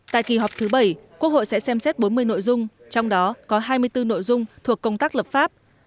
tại kỳ họp thứ bảy quốc hội sẽ xem xét bốn mươi nội dung trong đó có hai mươi bốn nội dung thuộc công tác lập pháp